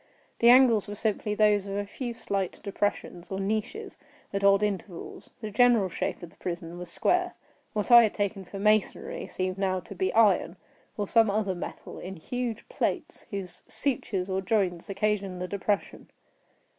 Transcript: The angles were simply those of a few slight depressions, or niches, at odd intervals. The general shape of the prison was square. What I had taken for masonry seemed now to be iron, or some other metal, in huge plates, whose sutures or joints occasioned the depression.